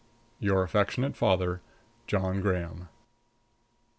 Your affectionate father, JOHN GRAHAM.